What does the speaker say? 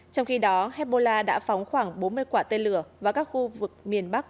trong khi đó hezbollah đã phóng khoảng bốn mươi quả tên lửa vào các khu vực miền bắc